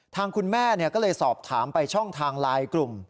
ทางคุณแม่ก็เลยสอบถามไปช่องทางไลน์กลุ่ม